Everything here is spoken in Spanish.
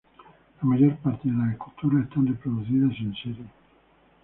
La mayor parte de las esculturas están reproducidas en series.